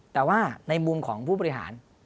แต่ว่าในมุมของผู้บริหาร